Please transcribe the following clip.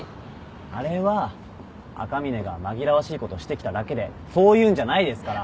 あれは赤嶺が紛らわしいことしてきただけでそういうんじゃないですから。